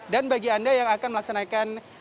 dan bagi anda yang akan melaksanakan